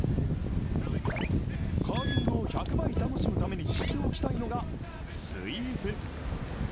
カーリングを１００倍楽しむために知っておきたいのがスイープ。